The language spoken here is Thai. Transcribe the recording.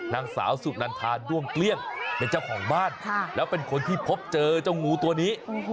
นางสาวสุนันทาด้วงเกลี้ยงเป็นเจ้าของบ้านแล้วเป็นคนที่พบเจอเจ้างูตัวนี้